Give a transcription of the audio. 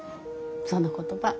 その言葉